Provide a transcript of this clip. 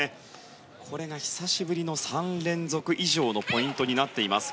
これが、久しぶりの３連続以上のポイントになりました。